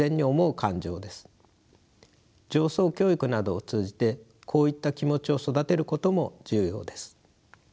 情操教育などを通じてこういった気持ちを育てることも重要です。